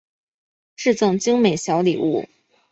致赠精美小礼物